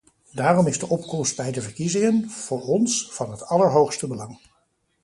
Daarom is de opkomst bij de verkiezingen, voor ons, van het allerhoogste belang.